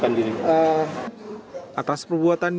dan abril ke tujuh pada porosius